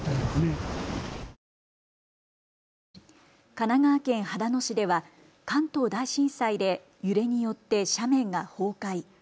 神奈川県秦野市では関東大震災で揺れによって斜面が崩壊。